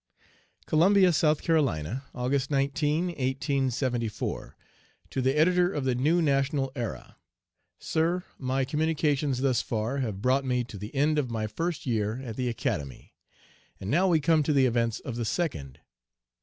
COLUMBIA, S.C., August 19, 1874. To the Editor of the New National Era: "SIR: My communications, thus far, have brought me to the end of my first year at the Academy, and now we come to the events of the second.